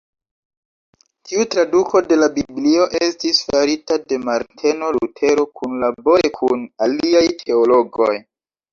Tiu traduko de la Biblio estis farita de Marteno Lutero kunlabore kun aliaj teologoj.